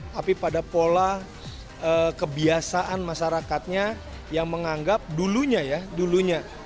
tapi pada pola kebiasaan masyarakatnya yang menganggap dulunya ya dulunya